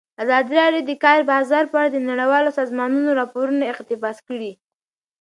ازادي راډیو د د کار بازار په اړه د نړیوالو سازمانونو راپورونه اقتباس کړي.